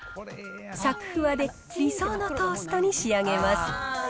さくふわで理想のトーストに仕上げます。